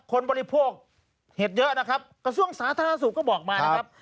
บริโภคเห็ดเยอะนะครับกระทรวงสาธารณสุขก็บอกมานะครับ